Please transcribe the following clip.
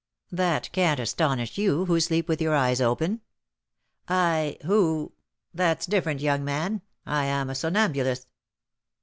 "That can't astonish you, who sleep with your eyes open." "I, who That's different, young man; I am a somnambulist."